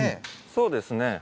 そうですね。